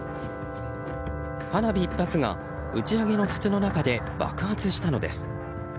花火１発が打ち上げの筒の中で爆発したのです。